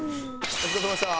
お疲れさまでした。